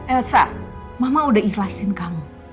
elsa mama udah ikhlasin kamu